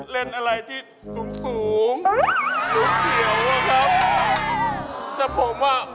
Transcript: ไม่สามารถเล่นกับเขานะ